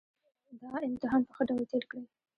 دا امتحان په ښه ډول تېر کړئ